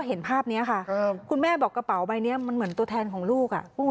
แสดงว่าใบนี้ก็คือน้องสักทายวันที่เกิดเหตุ